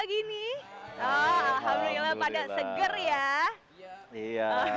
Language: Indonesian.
alhamdulillah pada seger ya